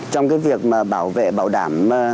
trong cái việc mà bảo vệ bảo đảm